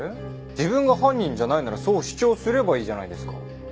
自分が犯人じゃないならそう主張すればいいじゃないですか。